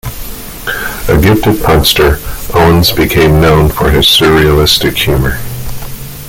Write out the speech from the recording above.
A gifted punster, Owens became known for his surrealistic humor.